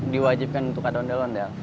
diwajibkan untuk ada ondel ondel